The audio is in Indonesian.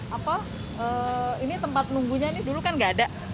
kalau ini tempat menunggunya ini dulu kan nggak ada